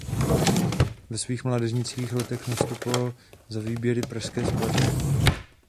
Ve svých mládežnických letech nastupoval za výběry pražské Sparty.